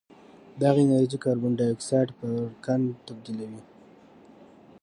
دغه انرژي کاربن ډای اکسایډ پر قند تبدیلوي